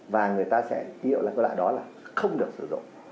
và người ta sẽ hiểu là cái loại đó là không được sử dụng